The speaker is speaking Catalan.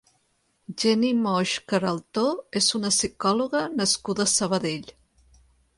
Jenny Moix Queraltó és una psicòloga nascuda a Sabadell.